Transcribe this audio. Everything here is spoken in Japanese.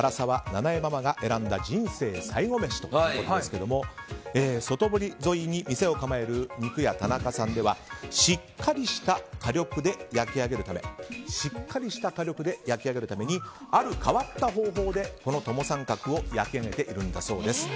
菜々江ママが選んだ人生最後メシということですが外堀沿いに店を構える肉屋田中さんではしっかりした火力で焼き上げるためにある変わった方法でトモサンカクを焼き上げているんだそうです。